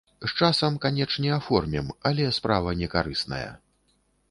З часам, канечне, аформім, але справа не карысная.